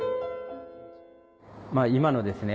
今のですね